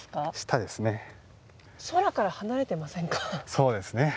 そうですね。